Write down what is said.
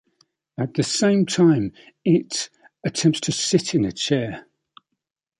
At the same time, "it" attempts to sit in a chair.